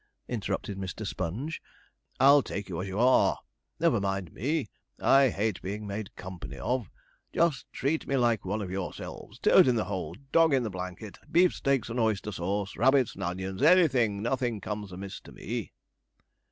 interrupted Mr. Sponge. 'I'll take you as you are. Never mind me. I hate being made company of. Just treat me like one of yourselves; toad in the hole, dog in the blanket, beef steaks and oyster sauce, rabbits and onions anything; nothing comes amiss to me.'